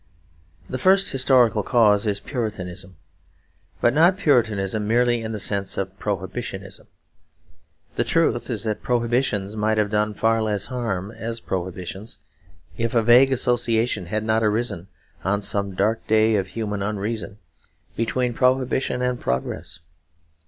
The first historical cause is Puritanism; but not Puritanism merely in the sense of Prohibitionism. The truth is that prohibitions might have done far less harm as prohibitions, if a vague association had not arisen, on some dark day of human unreason, between prohibition and progress.